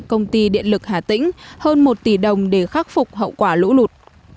công ty điện lực hà tĩnh hơn một tỷ đồng để khắc phục hậu quả lũ lụt